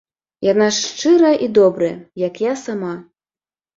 Яна ж шчырая і добрая, як я сама.